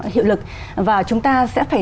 hiệu lực và chúng ta sẽ phải